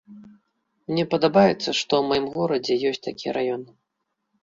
Мне падабаецца, што ў маім горадзе ёсць такі раён.